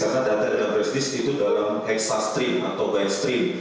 karena data dalam flash disk itu dalam hexa stream atau bin stream